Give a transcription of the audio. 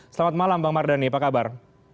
selamat malam bang mardhani apa kabar